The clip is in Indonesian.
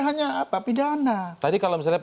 hanya apa pidana tadi kalau misalnya